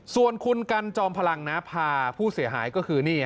ส่วนคุณกันจอมพลังนะพาผู้เสียหายก็คือนี่